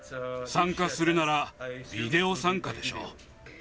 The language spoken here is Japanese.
参加するならビデオ参加でしょう。